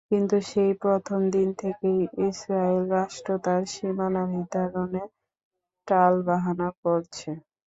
কিন্তু সেই প্রথম দিন থেকেই ইসরায়েল রাষ্ট্র তার সীমানা নির্ধারণে টালবাহানা করছে।